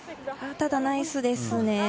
ただ、ナイスですね。